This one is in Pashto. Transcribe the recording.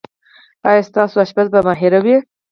ایا ستاسو اشپز به ماهر وي؟